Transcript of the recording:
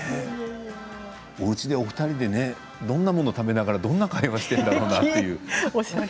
おうちでお二人でどんなものを食べながらどんな会話をしているんだろうという。